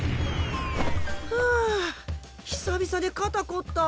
ふぅ久々で肩凝った。